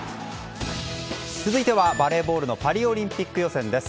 続いてはバレーボールのパリオリンピック予選です。